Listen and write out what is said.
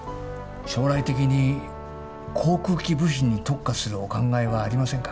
将来的に航空機部品に特化するお考えはありませんか？